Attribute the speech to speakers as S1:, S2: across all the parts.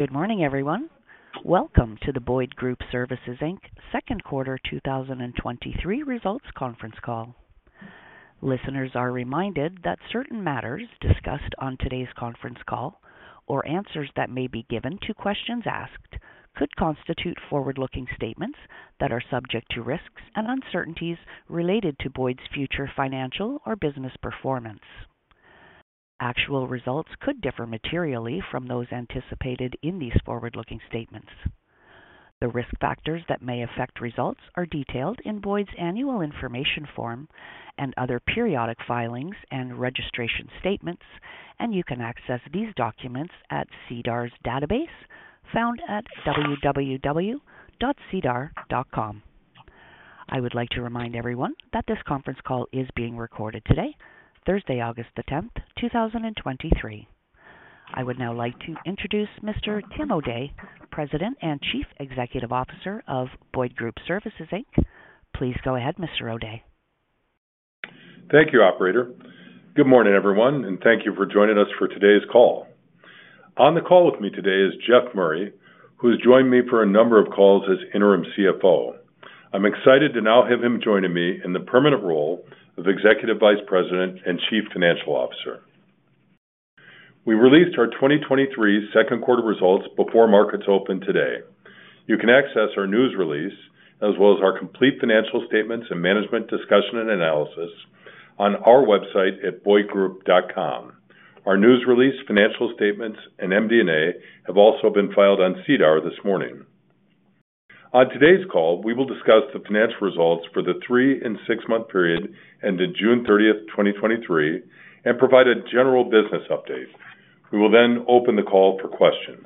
S1: Good morning, everyone. Welcome to the Boyd Group Services Inc. Second Quarter 2023 Results Conference Call. Listeners are reminded that certain matters discussed on today's conference call or answers that may be given to questions asked, could constitute forward-looking statements that are subject to risks and uncertainties related to Boyd's future financial or business performance. Actual results could differ materially from those anticipated in these forward-looking statements. The risk factors that may affect results are detailed in Boyd's Annual Information Form and other periodic filings and registration statements. You can access these documents at SEDAR's database, found at www.sedar.com. I would like to remind everyone that this conference call is being recorded today, Thursday, August the tenth, 2023. I would now like to introduce Mr. Timothy O'Day, President and Chief Executive Officer of Boyd Group Services, Inc. Please go ahead, Mr. O'Day.
S2: Thank you, Operator. Good morning, everyone, and thank you for joining us for today's call. On the call with me today is Jeff Murray, who has joined me for a number of calls as Interim CFO. I'm excited to now have him joining me in the permanent role of Executive Vice President and Chief Financial Officer. We released our 2023 second quarter results before markets opened today. You can access our news release, as well as our complete financial statements and management discussion and analysis on our website at boydgroup.com. Our news release, financial statements, and MD&A have also been filed on SEDAR this morning. On today's call, we will discuss the financial results for the 3 and 6-month period ended June 30th, 2023, and provide a general business update. We will then open the call for questions.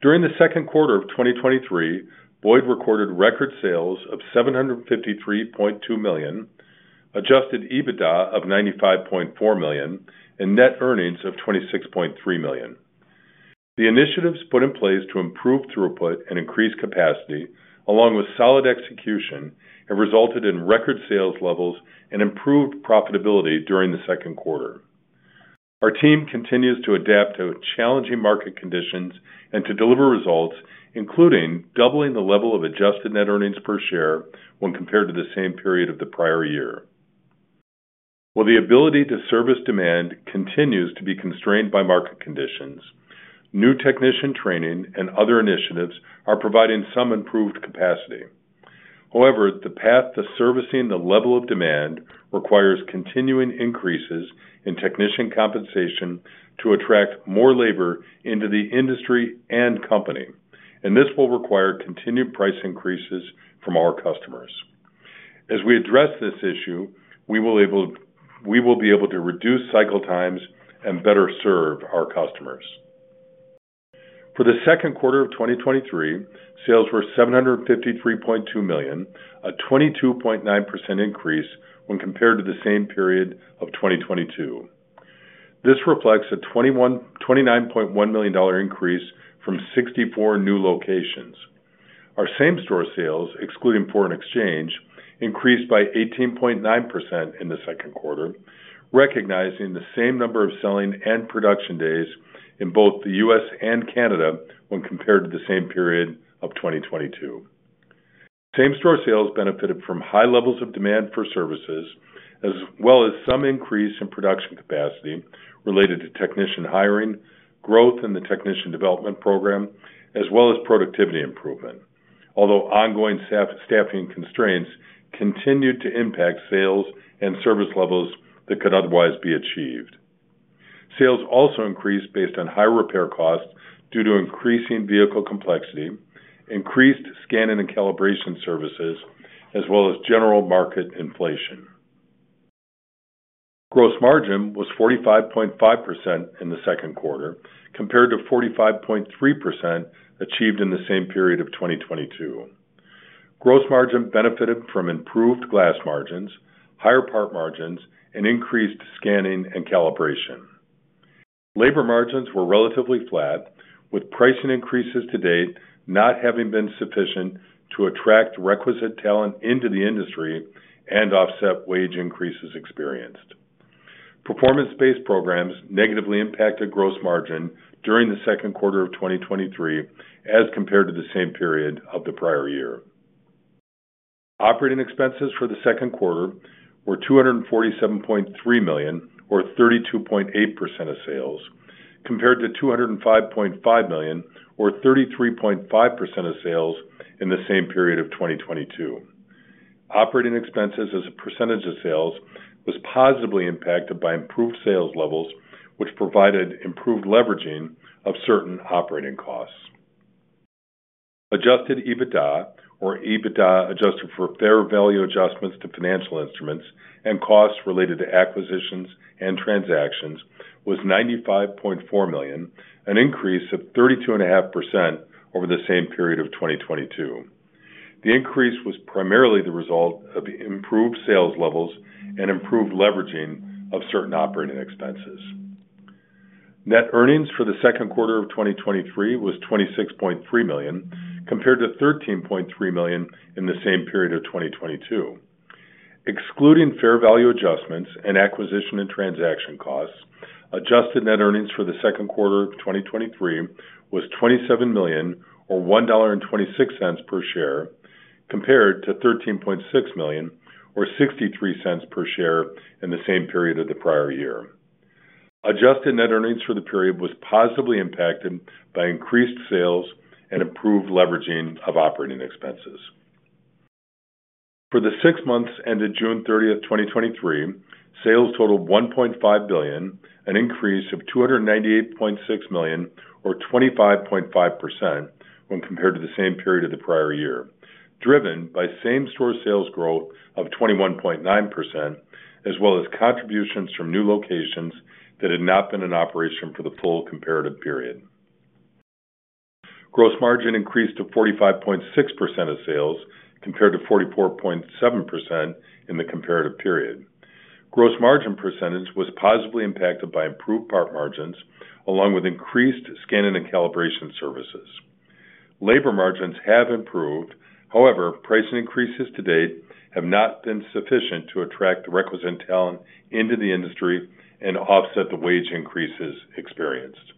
S2: During the second quarter of 2023, Boyd recorded record sales of $753.2 million, Adjusted EBITDA of $95.4 million, and net earnings of $26.3 million. The initiatives put in place to improve throughput and increase capacity, along with solid execution, have resulted in record sales levels and improved profitability during the second quarter. Our team continues to adapt to challenging market conditions and to deliver results, including doubling the level of adjusted net earnings per share when compared to the same period of the prior year. While the ability to service demand continues to be constrained by market conditions, new technician training and other initiatives are providing some improved capacity. However, the path to servicing the level of demand requires continuing increases in technician compensation to attract more labor into the industry and company, and this will require continued price increases from our customers. As we address this issue, we will be able to reduce cycle times and better serve our customers. For the second quarter of 2023, sales were 753.2 million, a 22.9% increase when compared to the same period of 2022. This reflects a 29.1 million dollar increase from 64 new locations. Our same-store sales, excluding foreign exchange, increased by 18.9% in the second quarter, recognizing the same number of selling and production days in both the US and Canada when compared to the same period of 2022. Same-store sales benefited from high levels of demand for services, as well as some increase in production capacity related to technician hiring, growth in the Technician Development Program, as well as productivity improvement. Although ongoing staffing constraints continued to impact sales and service levels that could otherwise be achieved. Sales also increased based on high repair costs due to increasing vehicle complexity, increased scanning and calibration services, as well as general market inflation. Gross margin was 45.5% in the second quarter, compared to 45.3% achieved in the same period of 2022. Gross margin benefited from improved glass margins, higher part margins, and increased scanning and calibration. Labor margins were relatively flat, with pricing increases to date not having been sufficient to attract requisite talent into the industry and offset wage increases experienced. Performance-based programs negatively impacted gross margin during the second quarter of 2023 as compared to the same period of the prior year. Operating expenses for the second quarter were $247.3 million, or 32.8% of sales, compared to $205.5 million, or 33.5% of sales in the same period of 2022. Operating expenses as a percentage of sales, was positively impacted by improved sales levels, which provided improved leveraging of certain operating costs. Adjusted EBITDA, or EBITDA adjusted for fair value adjustments to financial instruments and costs related to acquisitions and transactions, was $95.4 million, an increase of 32.5% over the same period of 2022. The increase was primarily the result of improved sales levels and improved leveraging of certain operating expenses. Net earnings for the second quarter of 2023 was $26.3 million, compared to $13.3 million in the same period of 2022. Excluding fair value adjustments and acquisition and transaction costs, Adjusted net earnings for the second quarter of 2023 was $27 million, or $1.26 per share, compared to $13.6 million, or $0.63 per share in the same period of the prior year. Adjusted net earnings for the period was positively impacted by increased sales and improved leveraging of operating expenses. For the six months ended June 30th, 2023, sales totaled $1.5 billion, an increase of $298.6 million, or 25.5% when compared to the same period of the prior year, driven by same-store sales growth of 21.9%, as well as contributions from new locations that had not been in operation for the full comparative period. Gross margin increased to 45.6% of sales, compared to 44.7% in the comparative period. Gross margin percentage was positively impacted by improved part margins, along with increased scanning and calibration services. Labor margins have improved. However, price increases to date have not been sufficient to attract the requisite talent into the industry and offset the wage increases experienced.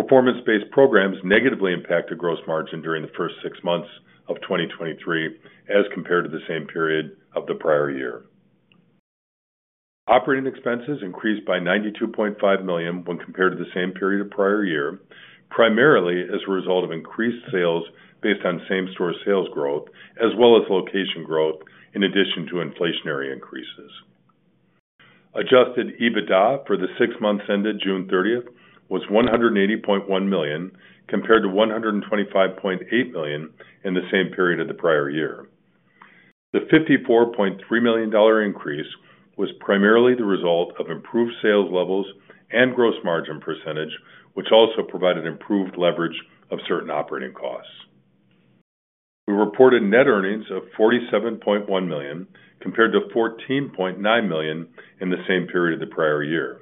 S2: Performance-based programs negatively impacted gross margin during the first 6 months of 2023 as compared to the same period of the prior year. Operating expenses increased by $92.5 million when compared to the same period of prior year, primarily as a result of increased sales based on same-store sales growth, as well as location growth, in addition to inflationary increases. Adjusted EBITDA for the 6 months ended June 30th was $180.1 million, compared to $125.8 million in the same period of the prior year. The $54.3 million increase was primarily the result of improved sales levels and gross margin percentage which also provided improved leverage of certain operating costs. We reported net earnings of $47.1 million, compared to $14.9 million in the same period of the prior year.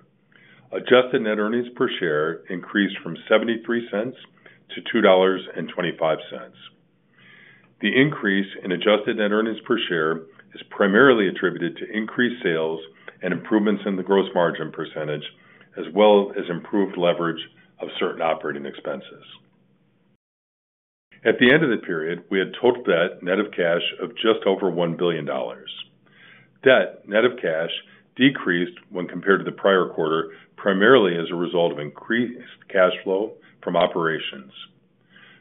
S2: Adjusted net earnings per share increased from $0.73 to $2.25. The increase in Adjusted net earnings per share is primarily attributed to increased sales and improvements in the gross margin percentage, as well as improved leverage of certain operating expenses. At the end of the period, we had total debt net of cash of just over $1 billion. Debt net of cash decreased when compared to the prior quarter, primarily as a result of increased cash flow from operations.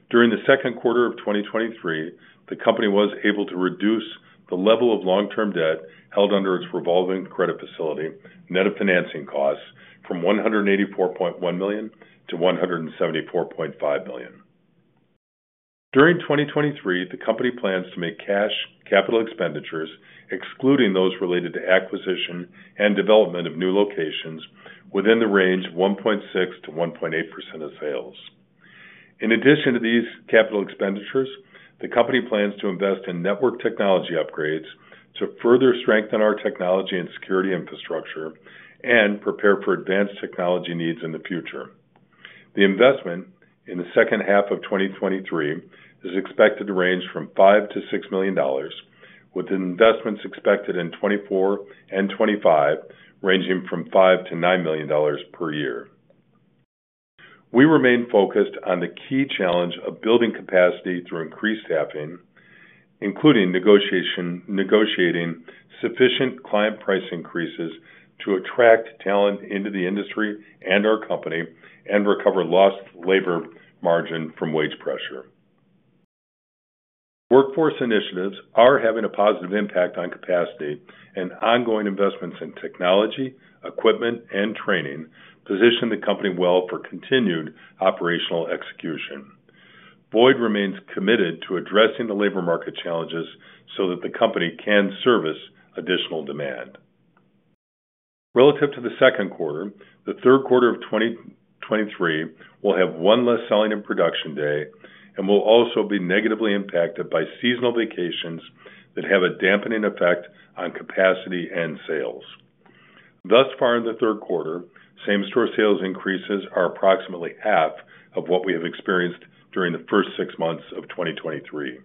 S2: During the second quarter of 2023, the company was able to reduce the level of long-term debt held under its revolving credit facility, net of financing costs from $184.1 million to $174.5 million. During 2023, the company plans to make cash capital expenditures, excluding those related to acquisition and development of new locations within the range of 1.6%-1.8% of sales. In addition to these capital expenditures, the company plans to invest in network technology upgrades to further strengthen our technology and security infrastructure and prepare for advanced technology needs in the future. The investment in the second half of 2023 is expected to range from $5 million-$6 million, with investments expected in 2024 and 2025, ranging from $5 million-$9 million per year. We remain focused on the key challenge of building capacity through increased staffing, including negotiating sufficient client price increases to attract talent into the industry and our company, and recover lost labor margin from wage pressure. Workforce initiatives are having a positive impact on capacity and ongoing investments in technology, equipment and training position the company well for continued operational execution. Boyd remains committed to addressing the labor market challenges so that the company can service additional demand. Relative to the second quarter, the third quarter of 2023 will have one less selling and production day, and will also be negatively impacted by seasonal vacations that have a dampening effect on capacity and sales. Thus far in the third quarter, same-store sales increases are approximately half of what we have experienced during the first 6 months of 2023.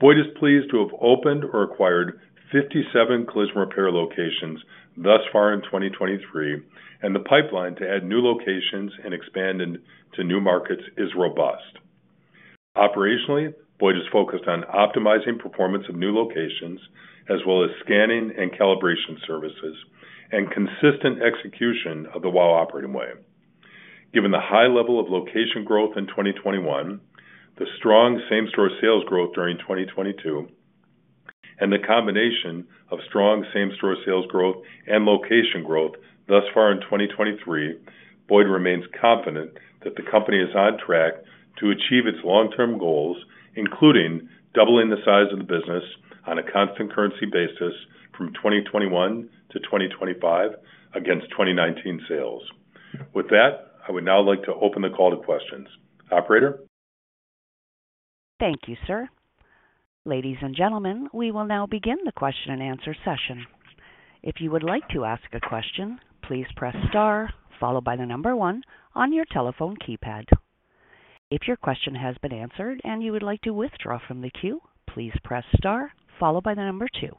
S2: Boyd is pleased to have opened or acquired 57 collision repair locations thus far in 2023, and the pipeline to add new locations and expand into new markets is robust. Operationally, Boyd is focused on optimizing performance of new locations, as well as scanning and calibration services, and consistent execution of the WOW Operating Way. Given the high level of location growth in 2021, the strong same-store sales growth during 2022, and the combination of strong same-store sales growth and location growth thus far in 2023, Boyd remains confident that the company is on track to achieve its long-term goals, including doubling the size of the business on a constant currency basis from 2021 to 2025 against 2019 sales. With that, I would now like to open the call to questions. Operator?
S1: Thank you, sir. Ladies and gentlemen, we will now begin the question and answer session. If you would like to ask a question, please press star followed by one on your telephone keypad. If your question has been answered and you would like to withdraw from the queue, please press star followed by two.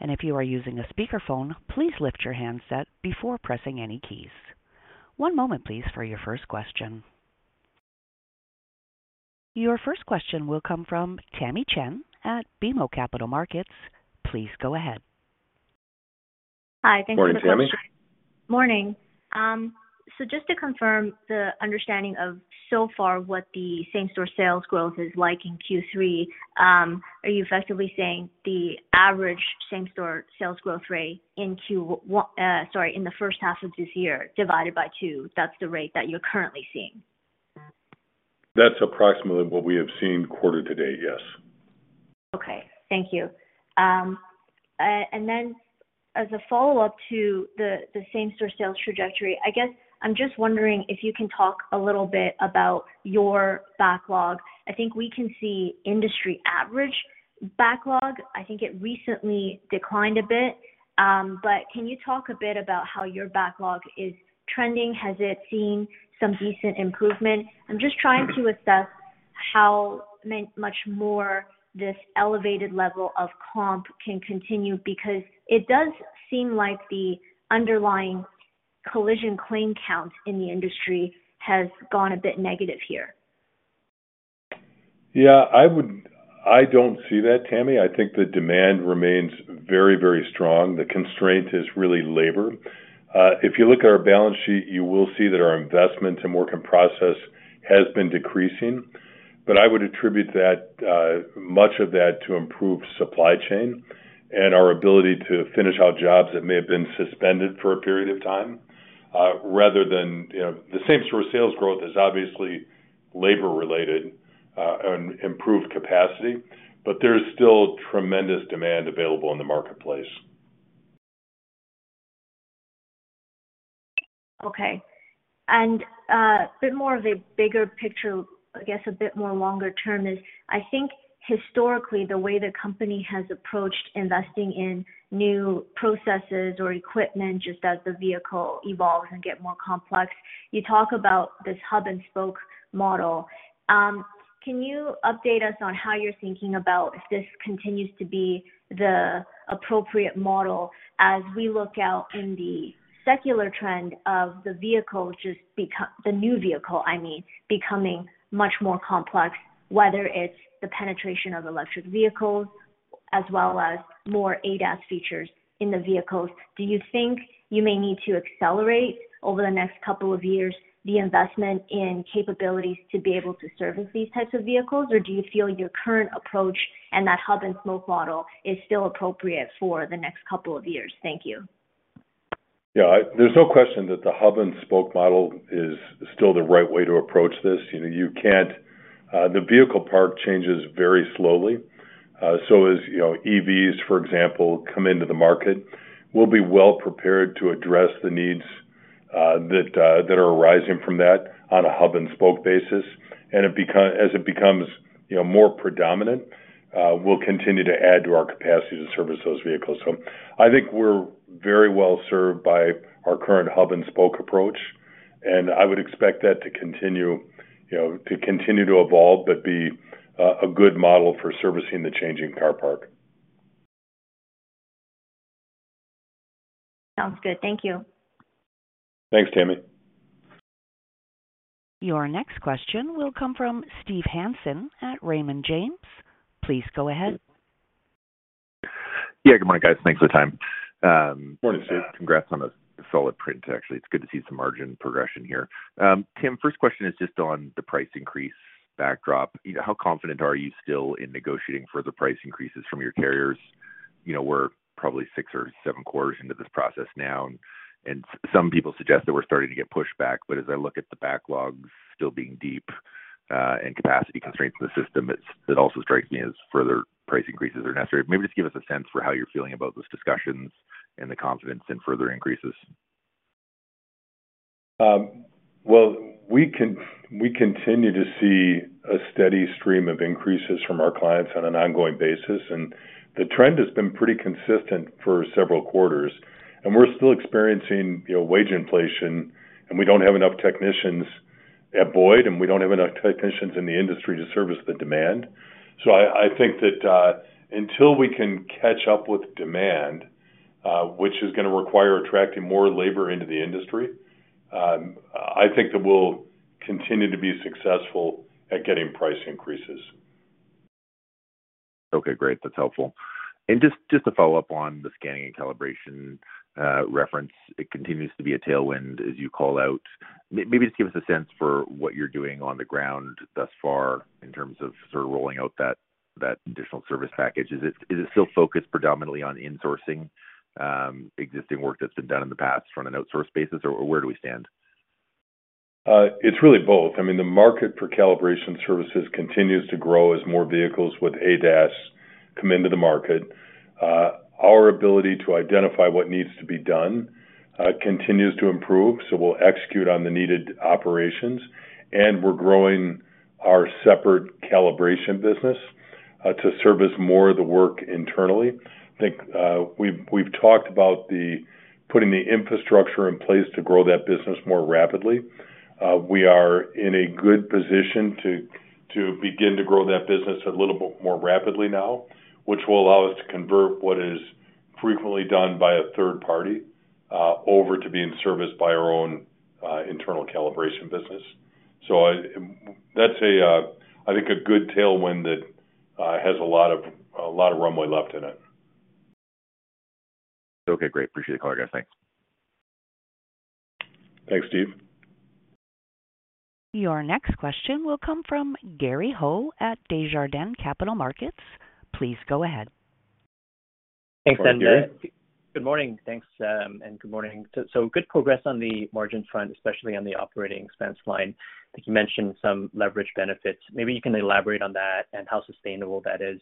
S1: If you are using a speakerphone, please lift your handset before pressing any keys. One moment please, for your first question. Your first question will come from Tamy Chen at BMO Capital Markets. Please go ahead.
S3: Hi, thanks for the time.
S2: Morning, Tamy.
S3: Morning. Just to confirm the understanding of so far what the same-store sales growth is like in Q3, are you effectively saying the average same-store sales growth rate in Q1, sorry, in the first half of this year, divided by 2, that's the rate that you're currently seeing?
S2: That's approximately what we have seen quarter to date, yes.
S3: Okay. Thank you. As a follow-up to the same-store sales trajectory, I guess I'm just wondering if you can talk a little bit about your backlog. I think we can see industry average backlog. I think it recently declined a bit. Can you talk a bit about how your backlog is trending? Has it seen some decent improvement? I'm just trying to assess how much more this elevated level of comp can continue, because it does seem like the underlying collision claim count in the industry has gone a bit negative here.
S2: Yeah, I don't see that, Tamy. I think the demand remains very, very strong. The constraint is really labor. If you look at our balance sheet, you will see that our investment and work in process has been decreasing. I would attribute that, much of that to improved supply chain and our ability to finish out jobs that may have been suspended for a period of time, rather than, you know. The same-store sales growth is obviously labor related and improved capacity, but there's still tremendous demand available in the marketplace.
S3: A bit more of a bigger picture, I guess a bit more longer term is, I think historically, the way the company has approached investing in new processes or equipment just as the vehicle evolves and get more complex. You talk about this hub and spoke model. Can you update us on how you're thinking about if this continues to be the appropriate model as we look out in the secular trend of the vehicle, just become the new vehicle, I mean, becoming much more complex, whether it's the penetration of electric vehicles as well as more ADAS features in the vehicles? Do you think you may need to accelerate over the next couple of years, the investment in capabilities to be able to service these types of vehicles? Do you feel your current approach and that hub and spoke model is still appropriate for the next couple years? Thank you.
S2: Yeah, there's no question that the hub and spoke model is still the right way to approach this. You know, you can't, the vehicle part changes very slowly. As you know, EVs, for example, come into the market, we'll be well prepared to address the needs that are arising from that on a hub and spoke basis. As it becomes, you know, more predominant, we'll continue to add to our capacity to service those vehicles. I think we're very well served by our current hub and spoke approach, and I would expect that to continue, you know, to continue to evolve, but be a good model for servicing the changing car park.
S3: Sounds good. Thank you.
S2: Thanks, Tamy.
S1: Your next question will come from Steve Hansen at Raymond James. Please go ahead.
S4: Yeah, good morning, guys. Thanks for the time.
S2: Good morning, Steve.
S4: Congrats on a solid print. Actually, it's good to see some margin progression here. Tim, first question is just on the price increase backdrop. How confident are you still in negotiating further price increases from your carriers? You know, we're probably 6 or 7 quarters into this process now, and some people suggest that we're starting to get pushback. As I look at the backlogs still being deep, and capacity constraints in the system, that also strikes me as further price increases are necessary. Maybe just give us a sense for how you're feeling about those discussions and the confidence in further increases.
S2: Well, we continue to see a steady stream of increases from our clients on an ongoing basis, and the trend has been pretty consistent for several quarters. We're still experiencing, you know, wage inflation, and we don't have enough technicians at Boyd, and we don't have enough technicians in the industry to service the demand. I, I think that until we can catch up with demand, which is going to require attracting more labor into the industry, I think that we'll continue to be successful at getting price increases.
S4: Okay, great. That's helpful. Just, just to follow up on the scanning and calibration reference, it continues to be a tailwind, as you call out. Maybe just give us a sense for what you're doing on the ground thus far in terms of sort of rolling out that, that additional service package? Is it, is it still focused predominantly on insourcing existing work that's been done in the past from an outsource basis, or where do we stand?
S2: It's really both. I mean, the market for calibration services continues to grow as more vehicles with ADAS come into the market. Our ability to identify what needs to be done, continues to improve, so we'll execute on the needed operations, and we're growing our separate calibration business. To service more of the work internally. I think, we've, we've talked about putting the infrastructure in place to grow that business more rapidly. We are in a good position to, to begin to grow that business a little bit more rapidly now, which will allow us to convert what is frequently done by a third party, over to being serviced by our own, internal calibration business. That's a, I think, a good tailwind that has a lot of, a lot of runway left in it.
S4: Okay, great. Appreciate the call, guys. Thanks.
S2: Thanks, Steve.
S1: Your next question will come from Gary Ho at Desjardins Capital Markets. Please go ahead.
S5: Thanks, Andrea. Good morning. Thanks, and good morning. Good progress on the margin front, especially on the operating expense line. I think you mentioned some leverage benefits. Maybe you can elaborate on that and how sustainable that is.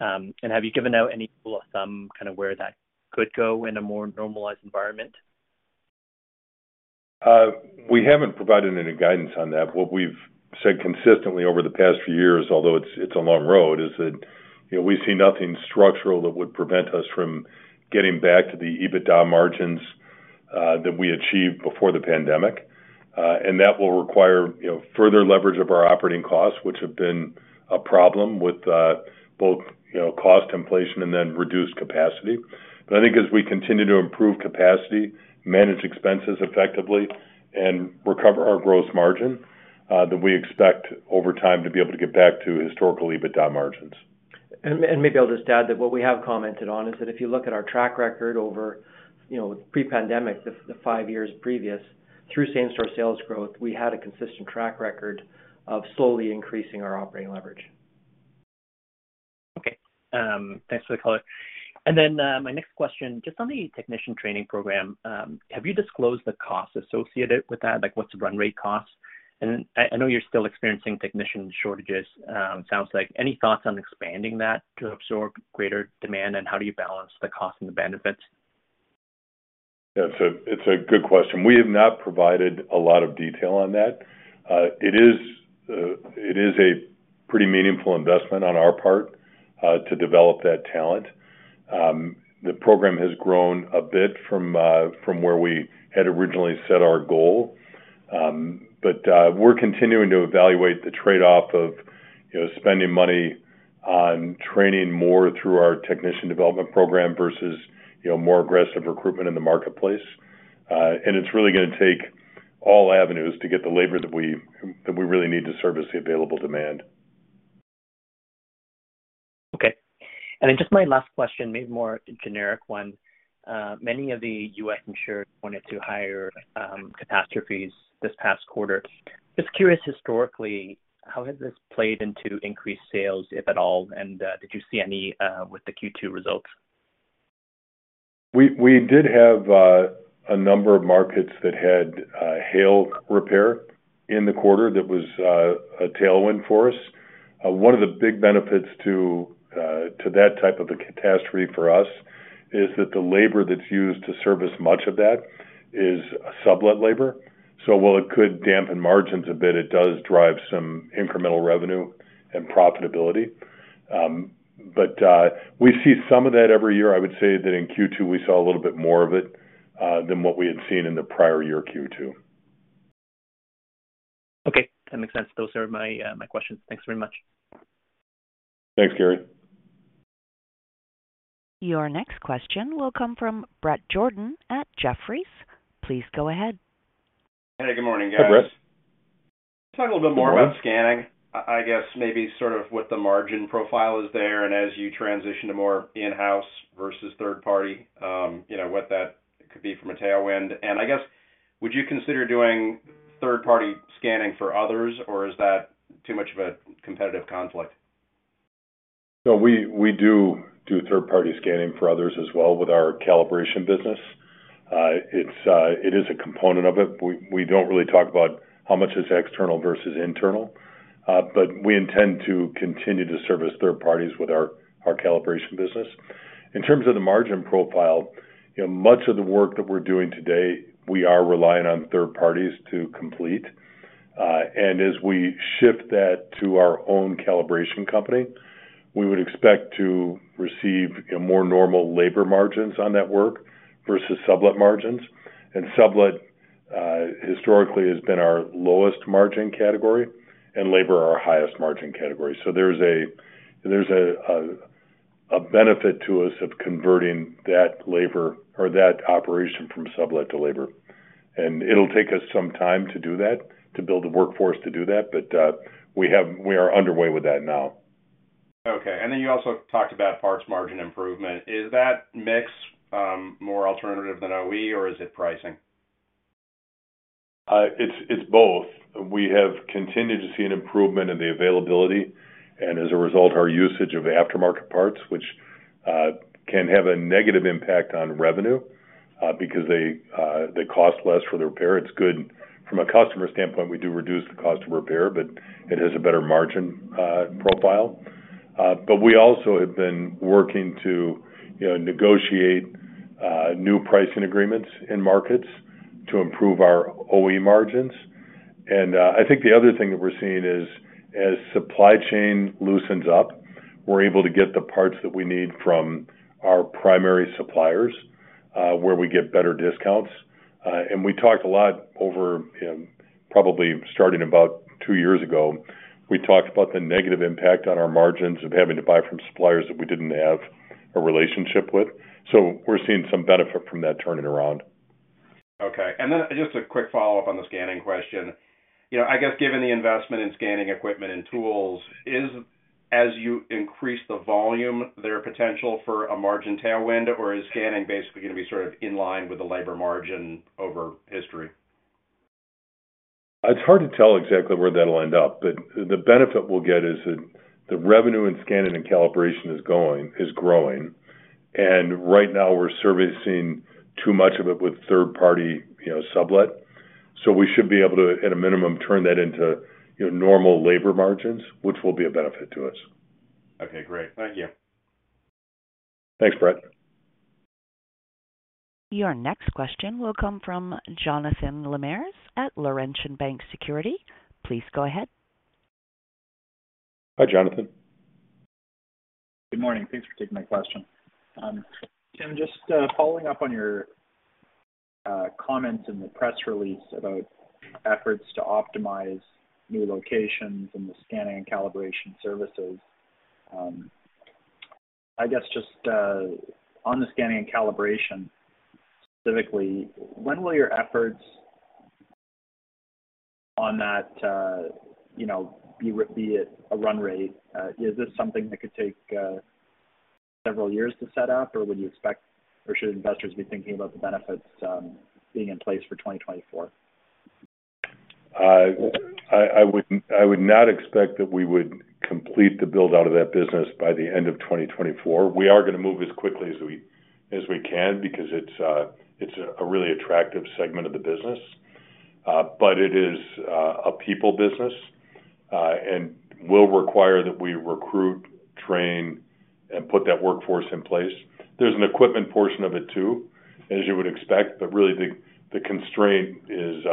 S5: Have you given out any rule of thumb, kind of, where that could go in a more normalized environment?
S2: We haven't provided any guidance on that. What we've said consistently over the past few years, although it's, it's a long road, is that, you know, we see nothing structural that would prevent us from getting back to the EBITDA margins that we achieved before the pandemic. That will require, you know, further leverage of our operating costs, which have been a problem with both, you know, cost inflation and then reduced capacity. I think as we continue to improve capacity, manage expenses effectively, and recover our gross margin that we expect over time to be able to get back to historical EBITDA margins.
S6: Maybe I'll just add that what we have commented on is that if you look at our track record over, you know, pre-pandemic, the, the five years previous, through same-store sales growth, we had a consistent track record of slowly increasing our operating leverage.
S5: Okay, thanks for the color. My next question, just on the technician training program, have you disclosed the costs associated with that? Like, what's the run rate cost? I, I know you're still experiencing technician shortages, sounds like. Any thoughts on expanding that to absorb greater demand, and how do you balance the cost and the benefits?
S2: Yeah. It's a good question. We have not provided a lot of detail on that. It is a pretty meaningful investment on our part to develop that talent. The program has grown a bit from where we had originally set our goal. We're continuing to evaluate the trade-off of, you know, spending money on training more through our Technician Development Program versus, you know, more aggressive recruitment in the marketplace. It's really gonna take all avenues to get the labor that we, that we really need to service the available demand.
S5: Okay. Just my last question, maybe more generic one. Many of the U.S. insurers pointed to higher catastrophes this past quarter. Just curious, historically, how has this played into increased sales, if at all, and did you see any with the Q2 results?
S2: We, we did have a number of markets that had hail repair in the quarter. That was a tailwind for us. One of the big benefits to that type of a catastrophe for us, is that the labor that's used to service much of that is a sublet labor. While it could dampen margins a bit, it does drive some incremental revenue and profitability. We see some of that every year. I would say that in Q2, we saw a little bit more of it than what we had seen in the prior year, Q2.
S5: Okay, that makes sense. Those are my my questions. Thanks very much.
S2: Thanks, Gary.
S1: Your next question will come from Bret Jordan at Jefferies. Please go ahead.
S7: Hey, good morning, guys.
S2: Hey, Bret.
S7: Talk a little bit more about scanning. I, I guess maybe sort of what the margin profile is there, and as you transition to more in-house versus third party, you know, what that could be from a tailwind. I guess, would you consider doing third-party scanning for others, or is that too much of a competitive conflict?
S2: We, we do do third-party scanning for others as well with our calibration business. It is a component of it. We, we don't really talk about how much is external versus internal, but we intend to continue to service third parties with our, our calibration business. In terms of the margin profile, you know, much of the work that we're doing today, we are relying on third parties to complete. As we shift that to our own calibration company, we would expect to receive a more normal labor margins on that work versus sublet margins. Sublet, historically, has been our lowest margin category and labor, our highest margin category. There's a, there's a, a, a benefit to us of converting that labor or that operation from sublet to labor. It'll take us some time to do that, to build a workforce to do that, but we are underway with that now.
S7: Okay. Then you also talked about parts margin improvement. Is that mix, more alternative than OE, or is it pricing?
S2: It's, it's both. We have continued to see an improvement in the availability, and as a result, our usage of aftermarket parts, which can have a negative impact on revenue, because they cost less for the repair. It's good from a customer standpoint, we do reduce the cost of repair, but it has a better margin profile. We also have been working to, you know, negotiate new pricing agreements in markets to improve our OE margins. I think the other thing that we're seeing is, as supply chain loosens up, we're able to get the parts that we need from our primary suppliers, where we get better discounts. We talked a lot over, probably starting about 2 years ago, we talked about the negative impact on our margins of having to buy from suppliers that we didn't have a relationship with. We're seeing some benefit from that turning around.
S7: Okay. Then just a quick follow-up on the scanning question. You know, I guess given the investment in scanning equipment and tools, is as you increase the volume, there a potential for a margin tailwind, or is scanning basically going to be sort of in line with the labor margin over history?
S2: It's hard to tell exactly where that'll end up, the benefit we'll get is that the revenue in scanning and calibration is growing, and right now we're servicing too much of it with third-party, you know, sublet. We should be able to, at a minimum, turn that into, you know, normal labor margins, which will be a benefit to us.
S7: Okay, great. Thank you.
S2: Thanks, Bret.
S1: Your next question will come from Jonathan Lamers at Laurentian Bank Securities. Please go ahead.
S2: Hi, Jonathan.
S8: Good morning. Thanks for taking my question. Tim, just following up on your comments in the press release about efforts to optimize new locations and the scanning and calibration services. I guess just on the scanning and calibration specifically, when will your efforts on that, you know, be at a run rate? Is this something that could take several years to set up, or would you expect, or should investors be thinking about the benefits being in place for 2024?
S2: I, I would, I would not expect that we would complete the build-out of that business by the end of 2024. We are gonna move as quickly as we, as we can because it's a, it's a really attractive segment of the business. It is a people business, and will require that we recruit, train, and put that workforce in place. There's an equipment portion of it too, as you would expect, but really the, the constraint is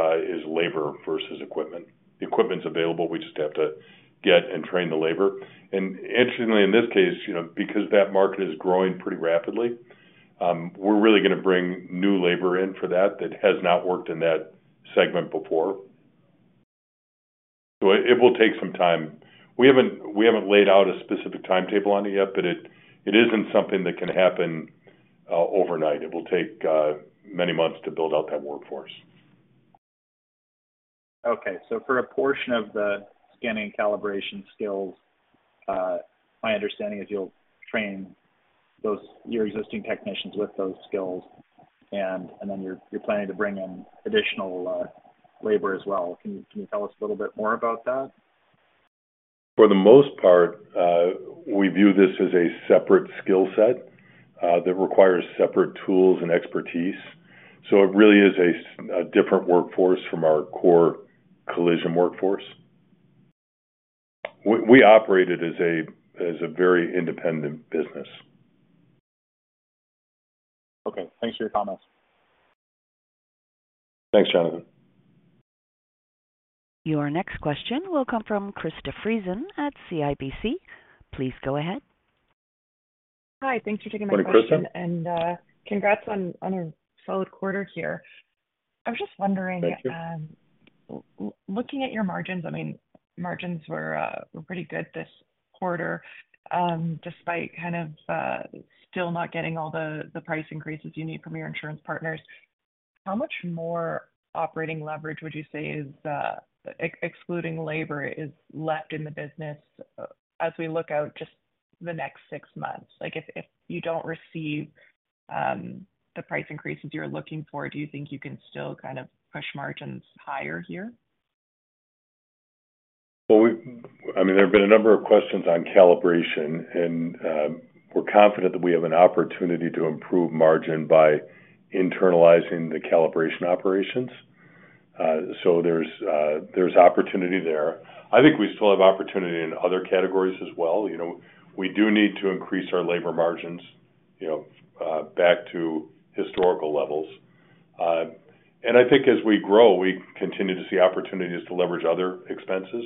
S2: labor versus equipment. The equipment's available, we just have to get and train the labor. Interestingly, in this case, you know, because that market is growing pretty rapidly, we're really gonna bring new labor in for that, that has not worked in that segment before. It, it will take some time. We haven't, we haven't laid out a specific timetable on it yet, but it, it isn't something that can happen, overnight. It will take, many months to build out that workforce.
S8: Okay. For a portion of the scanning and calibration skills, my understanding is you'll train those, your existing technicians with those skills, and, and then you're, you're planning to bring in additional, labor as well. Can you, can you tell us a little bit more about that?
S2: For the most part, we view this as a separate skill set, that requires separate tools and expertise, so it really is a different workforce from our core collision workforce. We, we operate it as a, as a very independent business.
S8: Okay. Thanks for your comments.
S2: Thanks, Jonathan.
S1: Your next question will come from Krista Friesen at CIBC. Please go ahead.
S9: Hi, thanks for taking my question.
S2: Good morning, Krista.
S9: Congrats on, on a solid quarter here. I was just wondering-
S2: Thank you.
S9: Looking at your margins, I mean, margins were pretty good this quarter, despite kind of still not getting all the price increases you need from your insurance partners. How much more operating leverage would you say is excluding labor, is left in the business as we look out just the next 6 months? Like, if, if you don't receive the price increases you're looking for, do you think you can still kind of push margins higher here?
S2: Well, I mean, there have been a number of questions on calibration, and we're confident that we have an opportunity to improve margin by internalizing the calibration operations. There's opportunity there. I think we still have opportunity in other categories as well. You know, we do need to increase our labor margins, you know, back to historical levels. I think as we grow, we continue to see opportunities to leverage other expenses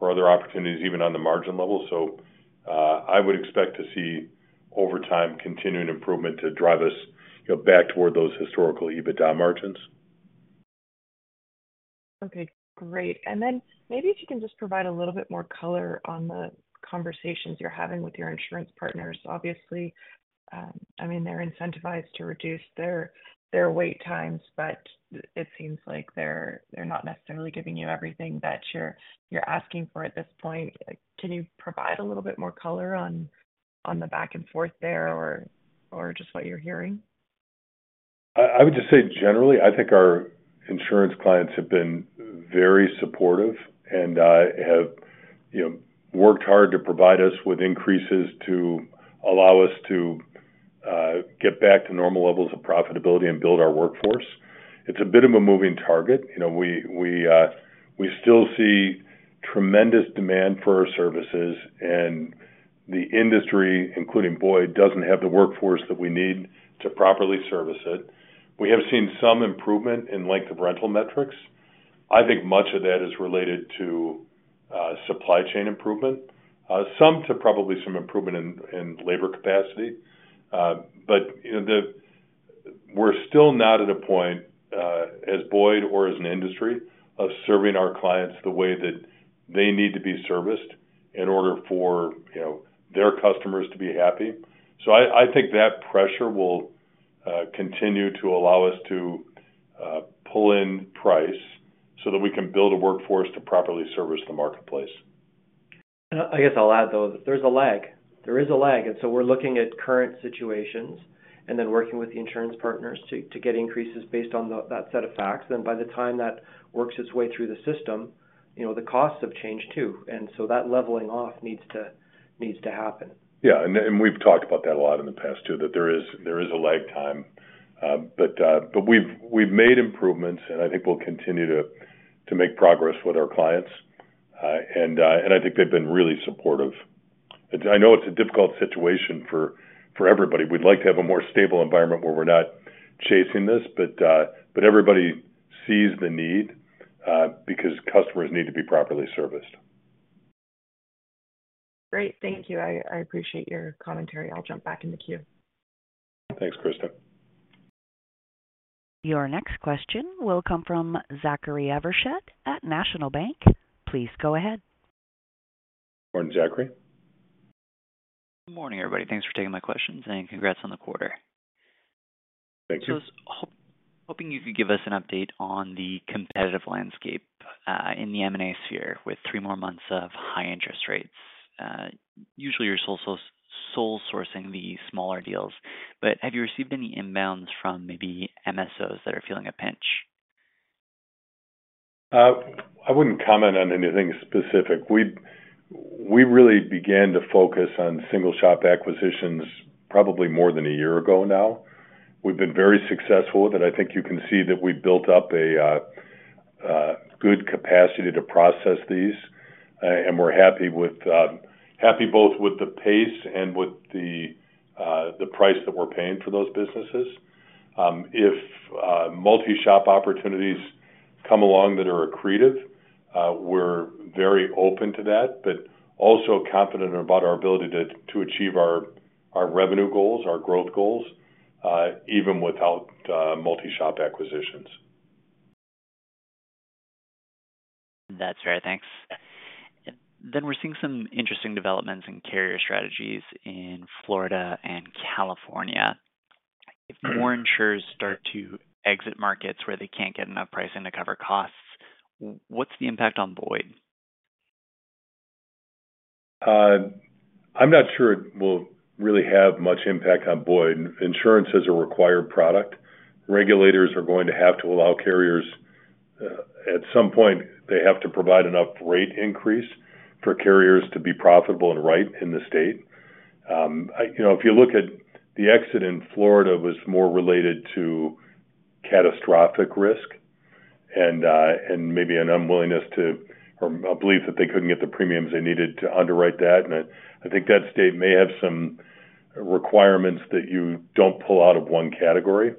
S2: or other opportunities even on the margin level. I would expect to see, over time, continuing improvement to drive us, you know, back toward those historical EBITDA margins.
S9: Okay, great. Then maybe if you can just provide a little bit more color on the conversations you're having with your insurance partners. Obviously, I mean, they're incentivized to reduce their, their wait times, but it seems like they're, they're not necessarily giving you everything that you're, you're asking for at this point. Can you provide a little bit more color on, on the back and forth there, or, or just what you're hearing?
S2: I, I would just say generally, I think our insurance clients have been very supportive and, have, you know, worked hard to provide us with increases to allow us to, get back to normal levels of profitability and build our workforce. It's a bit of a moving target. You know, we, we, we still see tremendous demand for our services, and the industry, including Boyd, doesn't have the workforce that we need to properly service it. We have seen some improvement in length of rental metrics. I think much of that is related to, supply chain improvement, some to probably some improvement in, in labor capacity. You know, we're still not at a point as Boyd or as an industry, of serving our clients the way that they need to be serviced in order for, you know, their customers to be happy. I, I think that pressure will continue to allow us to pull in price so that we can build a workforce to properly service the marketplace.
S6: I guess I'll add, though, that there's a lag. There is a lag, and so we're looking at current situations and then working with the insurance partners to, to get increases based on the, that set of facts. By the time that works its way through the system, you know, the costs have changed, too. So that leveling off needs to, needs to happen.
S2: Yeah, and, and we've talked about that a lot in the past, too, that there is, there is a lag time. We've, we've made improvements, and I think we'll continue to, to make progress with our clients. I think they've been really supportive. I know it's a difficult situation for, for everybody. We'd like to have a more stable environment where we're not chasing this, everybody sees the need, because customers need to be properly serviced.
S9: Great. Thank you. I, I appreciate your commentary. I'll jump back in the queue.
S2: Thanks, Krista.
S1: Your next question will come from Zachary Evershed at National Bank. Please go ahead.
S2: Morning, Zachary.
S10: Good morning, everybody. Thanks for taking my questions, and congrats on the quarter.
S2: Thank you.
S10: I was hoping you could give us an update on the competitive landscape, in the M&A sphere, with three more months of high interest rates. Usually, you're sole sourcing the smaller deals, but have you received any inbounds from maybe MSOs that are feeling a pinch?
S2: I wouldn't comment on anything specific. We, we really began to focus on single shop acquisitions probably more than a year ago now. We've been very successful with it. I think you can see that we've built up a good capacity to process these, and we're happy with happy both with the pace and with the price that we're paying for those businesses. If multi-shop opportunities come along that are accretive, we're very open to that, but also confident about our ability to, to achieve our, our revenue goals, our growth goals, even without multi-shop acquisitions.
S10: That's fair. Thanks. We're seeing some interesting developments in carrier strategies in Florida and California.
S2: Right.
S10: If more insurers start to exit markets where they can't get enough pricing to cover costs, what's the impact on Boyd?
S2: I'm not sure it will really have much impact on Boyd. Insurance is a required product. Regulators are going to have to allow carriers, at some point, they have to provide enough rate increase for carriers to be profitable and write in the state. I, you know, if you look at the exit in Florida, was more related to catastrophic risk and maybe an unwillingness to, or a belief that they couldn't get the premiums they needed to underwrite that. I, I think that state may have some requirements that you don't pull out of one category.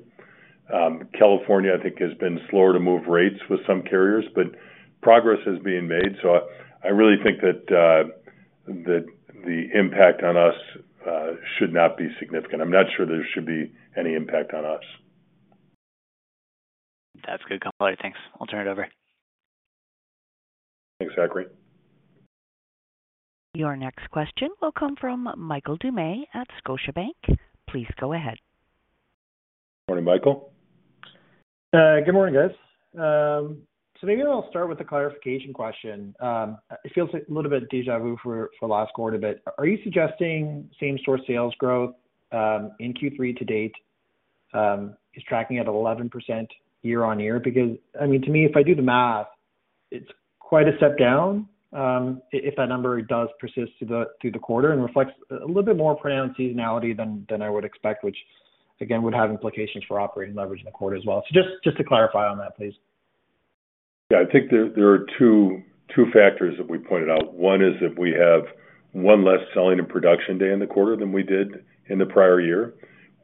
S2: California, I think, has been slower to move rates with some carriers, but progress is being made. I, I really think that the impact on us should not be significant. I'm not sure there should be any impact on us.
S10: That's good commentary. Thanks. I'll turn it over.
S2: Thanks, Zachary.
S1: Your next question will come from Michael Doumet at Scotiabank. Please go ahead.
S2: Morning, Michael.
S11: Good morning, guys. Maybe I'll start with a clarification question. It feels a little bit deja vu for, for last quarter, are you suggesting same-store sales growth in Q3 to date is tracking at 11% year-over-year? I mean, to me, if I do the math, it's quite a step down if that number does persist through the, through the quarter and reflects a little bit more pronounced seasonality than, than I would expect, which again, would have implications for operating leverage in the quarter as well. Just, just to clarify on that, please.
S2: Yeah. I think there are two factors that we pointed out. One is that we have one less selling and production day in the quarter than we did in the prior year,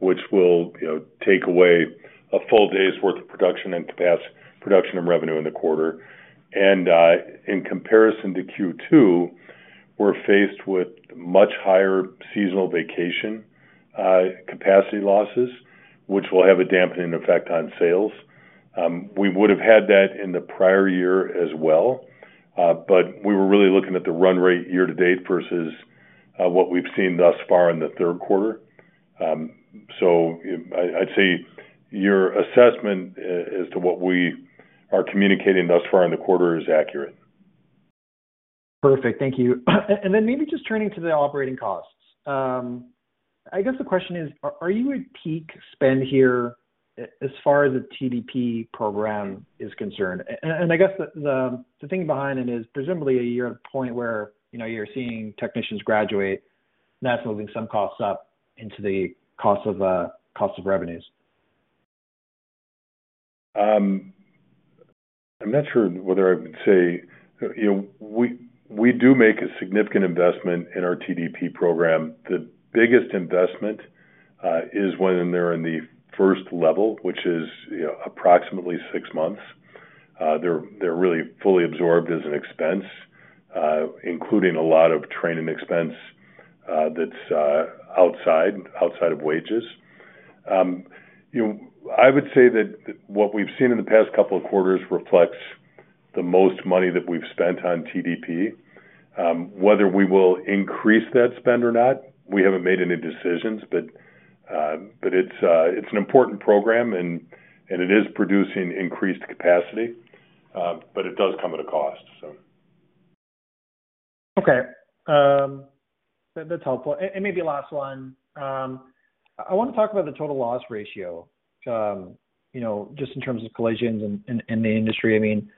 S2: which will, you know, take away a full day's worth of production and capacity, production and revenue in the quarter. In comparison to Q2, we're faced with much higher seasonal vacation capacity losses, which will have a dampening effect on sales. We would have had that in the prior year as well, but we were really looking at the run rate year-to-date versus what we've seen thus far in the third quarter. I'd say your assessment as to what we are communicating thus far in the quarter is accurate.
S11: Perfect. Thank you. Then maybe just turning to the operating costs. I guess the question is, are you at peak spend here as far as the TDP program is concerned? I guess the, the, the thing behind it is presumably you're at a point where, you know, you're seeing technicians graduate, and that's moving some costs up into the cost of revenues.
S2: I'm not sure whether I would say, you know, we, we do make a significant investment in our TDP program. The biggest investment is when they're in the first level, which is, you know, approximately six months. They're, they're really fully absorbed as an expense, including a lot of training expense, that's outside, outside of wages. You know, I would say that what we've seen in the past couple of quarters reflects the most money that we've spent on TDP. Whether we will increase that spend or not, we haven't made any decisions, but it's a, it's an important program and, and it is producing increased capacity, but it does come at a cost, so.
S11: Okay. That, that's helpful. Maybe last one. I want to talk about the total loss ratio. You know, just in terms of collisions in, in the industry. I mean,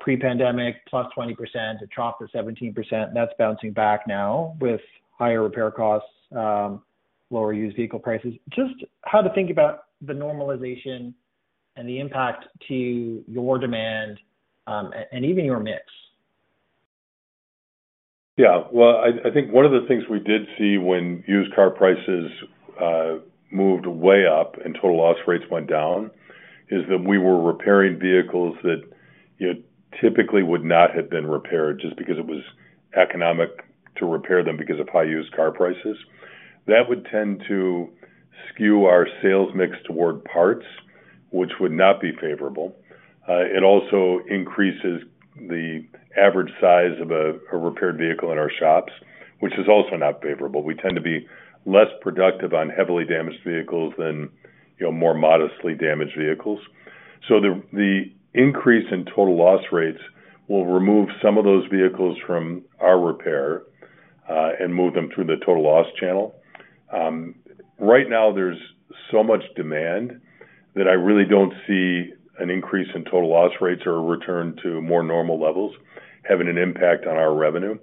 S11: pre-pandemic, plus 20%, it dropped to 17%. That's bouncing back now with higher repair costs, lower used vehicle prices. Just how to think about the normalization and the impact to your demand, and even your mix.
S2: Well, I, I think one of the things we did see when used car prices moved way up and total loss rates went down, is that we were repairing vehicles that, you know, typically would not have been repaired just because it was economic to repair them, because of high used car prices. That would tend to skew our sales mix toward parts, which would not be favorable. It also increases the average size of a, a repaired vehicle in our shops, which is also not favorable. We tend to be less productive on heavily damaged vehicles than, you know, more modestly damaged vehicles. The, the increase in total loss rates will remove some of those vehicles from our repair and move them through the total loss channel. Right now, there's so much demand that I really don't see an increase in total loss rates or a return to more normal levels having an impact on our revenue.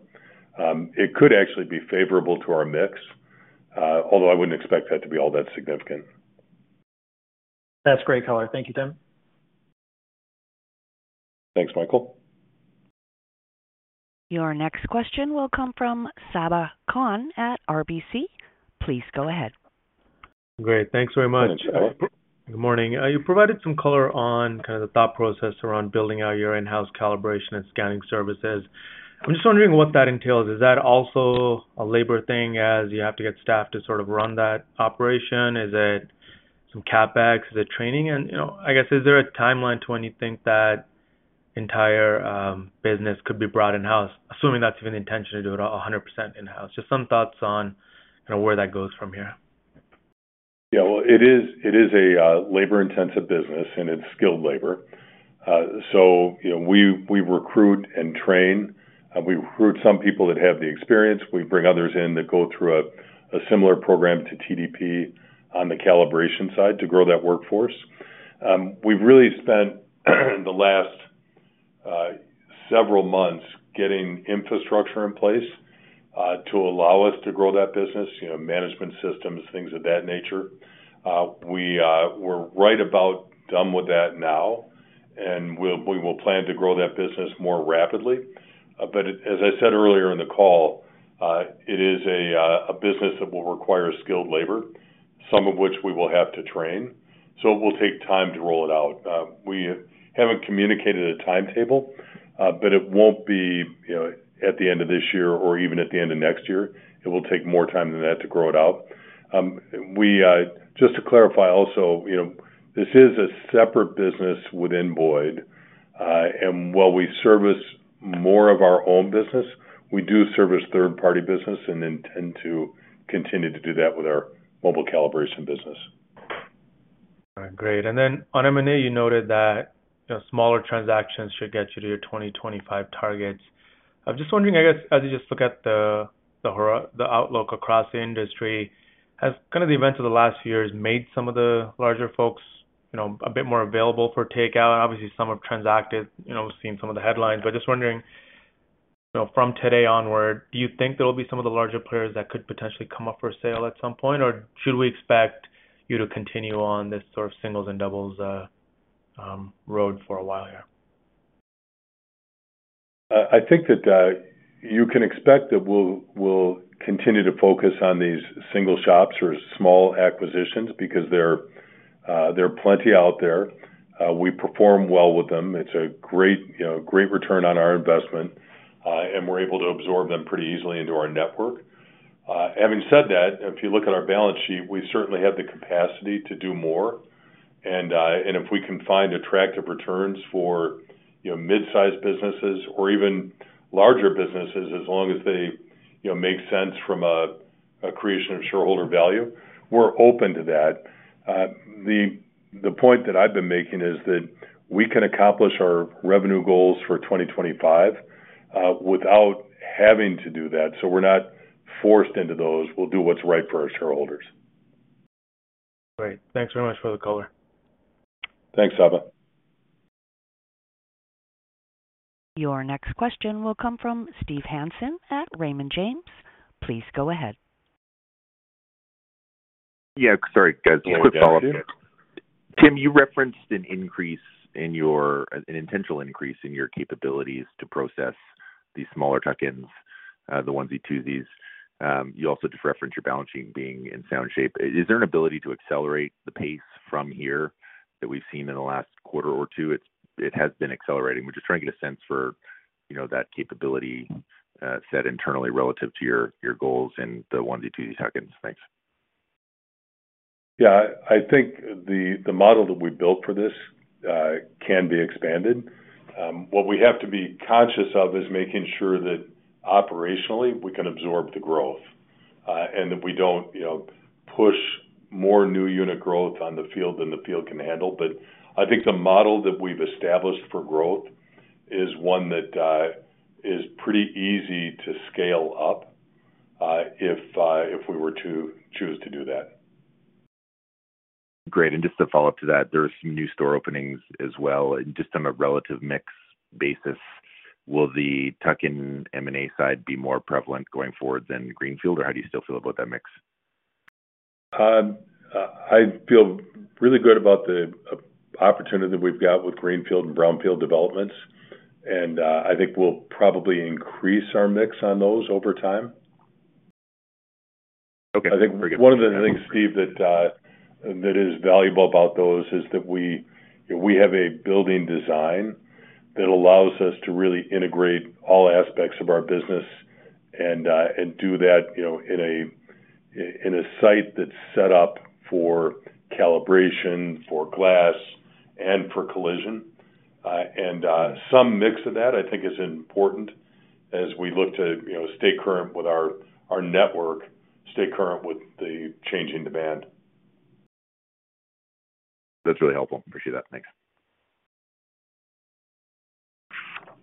S2: It could actually be favorable to our mix, although I wouldn't expect that to be all that significant.
S11: That's great color. Thank you, Tim.
S2: Thanks, Michael.
S1: Your next question will come from Sabahat Khan at RBC. Please go ahead.
S12: Great. Thanks very much.
S2: Thanks, Saba.
S12: Good morning. You provided some color on kind of the thought process around building out your in-house calibration and scanning services. I'm just wondering what that entails. Is that also a labor thing, as you have to get staff to sort of run that operation? Is it some CapEx, is it training? You know, I guess, is there a timeline to when you think that entire business could be brought in-house, assuming that's even the intention to do it 100% in-house? Just some thoughts on kind of where that goes from here.
S2: Yeah, well, it is, it is a labor-intensive business, and it's skilled labor. You know, we, we recruit and train. We recruit some people that have the experience. We bring others in that go through a similar program to TDP on the calibration side to grow that workforce. We've really spent the last several months getting infrastructure in place to allow us to grow that business, you know, management systems, things of that nature. We, we're right about done with that now, and we'll, we will plan to grow that business more rapidly. As I said earlier in the call, it is a business that will require skilled labor, some of which we will have to train, so it will take time to roll it out. We haven't communicated a timetable. It won't be, you know, at the end of this year or even at the end of next year. It will take more time than that to grow it out. Just to clarify also, you know, this is a separate business within Boyd. While we service more of our own business, we do service third-party business and intend to continue to do that with our mobile calibration business.
S12: All right, great. On M&A, you noted that, you know, smaller transactions should get you to your 2025 targets. I'm just wondering, I guess, as you just look at the outlook across the industry, has kind of the events of the last few years made some of the larger folks, you know, a bit more available for takeout? Obviously, some have transacted, you know, we've seen some of the headlines. Just wondering, you know, from today onward, do you think there will be some of the larger players that could potentially come up for sale at some point, or should we expect you to continue on this sort of singles and doubles road for a while here?
S2: I think that you can expect that we'll, we'll continue to focus on these single shops or small acquisitions because they're, there are plenty out there. We perform well with them. It's a great, you know, great return on our investment, and we're able to absorb them pretty easily into our network. Having said that, if you look at our balance sheet, we certainly have the capacity to do more. If we can find attractive returns for, you know, mid-sized businesses or even larger businesses, as long as they, you know, make sense from a, a creation of shareholder value, we're open to that. The, the point that I've been making is that we can accomplish our revenue goals for 2025 without having to do that, so we're not forced into those. We'll do what's right for our shareholders.
S12: Great. Thanks very much for the color.
S2: Thanks, Saba.
S1: Your next question will come from Steve Hansen at Raymond James. Please go ahead.
S4: Yeah. Sorry, guys. Just a follow-up. Tim, you referenced an intentional increase in your capabilities to process these smaller tuck-ins, the onesie-twosies. You also just referenced your balancing being in sound shape. Is there an ability to accelerate the pace from here that we've seen in the last quarter or two? It has been accelerating. We're just trying to get a sense for, you know, that capability set internally relative to your, your goals in the onesie-twosie tuck-ins. Thanks.
S2: Yeah. I think the, the model that we built for this, can be expanded. What we have to be conscious of is making sure that operationally we can absorb the growth, and that we don't, you know, push more new unit growth on the field than the field can handle. I think the model that we've established for growth is one that, is pretty easy to scale up, if, if we were to choose to do that.
S4: Great. Just to follow up to that, there are some new store openings as well. Just on a relative mix basis, will the tuck-in M&A side be more prevalent going forward than greenfield, or how do you still feel about that mix?
S2: I feel really good about the opportunity that we've got with greenfield and brownfield developments, and I think we'll probably increase our mix on those over time.
S4: Okay.
S2: I think one of the things, Steve, that, that is valuable about those is that we, we have a building design that allows us to really integrate all aspects of our business and, and do that, you know, in a, in a site that's set up for calibration, for glass, and for collision. Some mix of that, I think, is important as we look to, you know, stay current with our, our network, stay current with the changing demand.
S4: That's really helpful. Appreciate that. Thanks.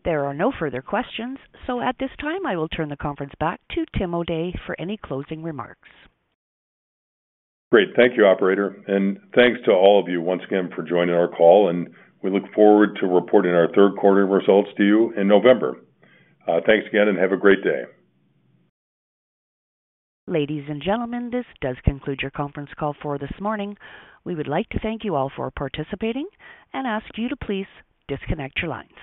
S1: There are no further questions. At this time, I will turn the conference back to Timothy O'Day for any closing remarks.
S2: Great. Thank you, operator, and thanks to all of you once again for joining our call, and we look forward to reporting our third quarter results to you in November. Thanks again. Have a great day.
S1: Ladies and gentlemen, this does conclude your conference call for this morning. We would like to thank you all for participating and ask you to please disconnect your lines.